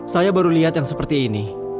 saya baru lihat yang seperti ini